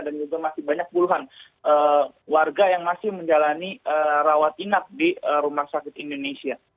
dan juga masih banyak puluhan warga yang masih menjalani rawat inap di rumah sakit indonesia